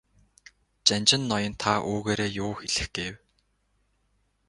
Жанжин ноён та үүгээрээ юу хэлэх гээв?